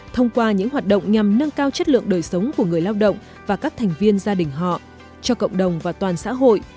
thông qua những hoạt động nhằm nâng cao chất lượng đời sống của người lao động và các thành viên gia đình họ cho cộng đồng và toàn xã hội